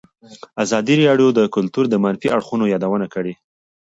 ازادي راډیو د کلتور د منفي اړخونو یادونه کړې.